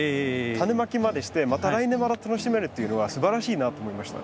種まきまでしてまた来年また楽しめるっていうのはすばらしいなと思いました。